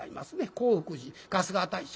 興福寺春日大社。